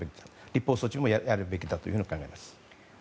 立法措置もやるべきだと考えます。